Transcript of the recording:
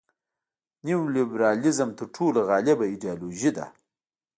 نیولیبرالیزم تر ټولو غالبه ایډیالوژي ده.